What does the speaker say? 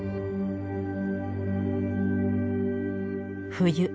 冬。